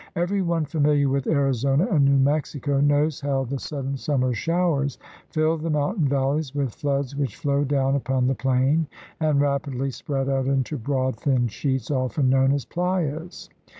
Every one familiar with Arizona and New Mexico knows how the sudden summer showers fill the mountain valleys with floods which flow down upon the plain and rapidly spread out into broad, thin sheets, often known as playas.